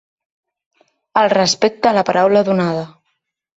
El respecte a la paraula donada.